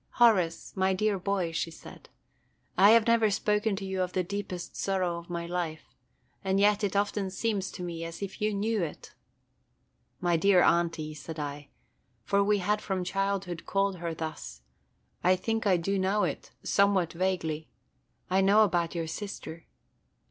"Horace, my dear boy," she said, "I have never spoken to you of the deepest sorrow of my life, and yet it often seems to me as if you knew it." "My dear Aunty," said I, for we had from childhood called her thus, "I think I do know it, – somewhat vaguely. I know about your sister."